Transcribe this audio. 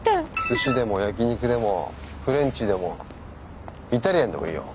すしでも焼き肉でもフレンチでもイタリアンでもいいよ。